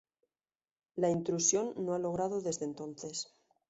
La intrusión no ha logrado desde entonces.